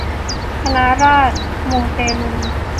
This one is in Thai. คณะราษฎรมูเตลู